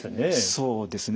そうですね。